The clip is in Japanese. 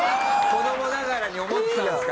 子供ながらに思ってたんですか。